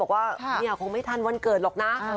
บอกว่าเนี่ยคงไม่ทันวันเกิดหรอกนะ